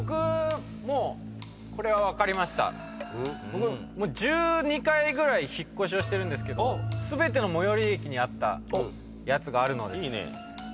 僕１２回ぐらい引っ越しをしてるんですけど全ての最寄駅にあったやつがあるので。